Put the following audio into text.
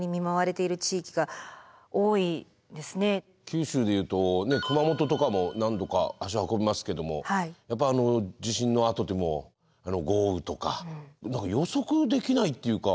九州で言うと熊本とかも何度か足運びますけどもやっぱあの地震のあとも豪雨とか予測できないっていうか